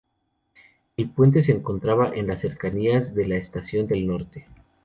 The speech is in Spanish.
El Puente se encontraba en las cercanías de la Estación del Norte.